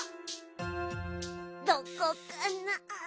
どこかな？